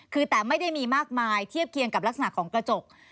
คือแต่ไม่ได้มีมากมายเทียบเคียงกับลักษณะของกระจก